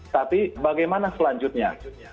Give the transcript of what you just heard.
tapi bagaimana selanjutnya